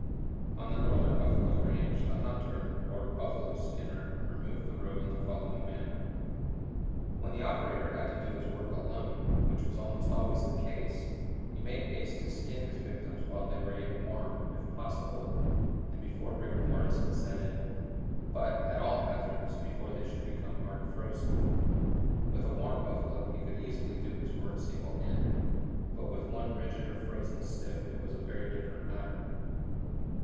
On the northern buffalo range, the hunter, or "buffalo skinner," removed the robe in the following manner: When the operator had to do his work alone, which was almost always the case, he made haste to skin his victims while they were yet warm, if possible, and before rigor mortis had set in; but, at all hazards, before they should become hard frozen. With a warm buffalo he could easily do his work single handed, but with one rigid or frozen stiff it was a very different matter.